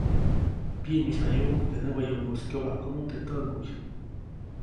Pyiʼmäyjayuʼuŋ teʼ näwayomoʼis kyobajkomo teʼ täʼŋguy.